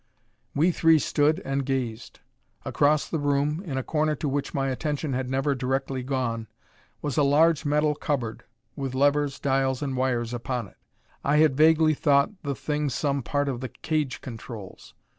We three stood and gazed. Across the room, in a corner to which my attention had never directly gone, was a large metal cupboard with levers, dials and wires upon it. I had vaguely thought the thing some part of the cage controls.